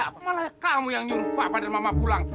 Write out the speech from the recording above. apa malah kamu yang nyuruh papa dan mama pulang